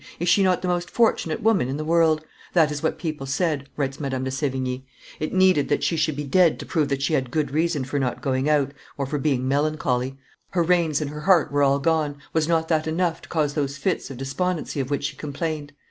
Is she not the most fortunate woman in the world? That is what people said," writes Madame de Sevigne; "it needed that she should be dead to prove that she had good reason for not going out, and for being melancholy. Her reins and her heart were all gone was not that enough to cause those fits of despondency of which she complained?